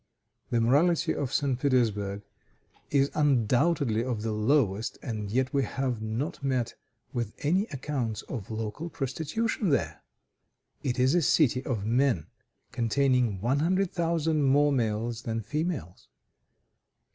The morality of St. Petersburg is undoubtedly of the lowest, and yet we have not met with any accounts of local prostitution there. It is a city of men, containing one hundred thousand more males than females.